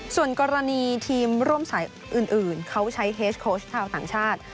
ส่วนกรณีทีมร่วมสายอื่นเขาใช้เฮสโค้ชชาวต่างชาติ